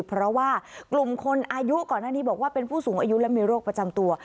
เพราะว่ากลุ่มคนอายุก่อนหน้านี้บอกว่าเป็นผู้สูงอายุและมีโรคประจำตัว